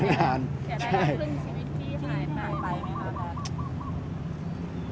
เสียดายก็ขึ้นชีวิตที่หายนานไปไหมครับ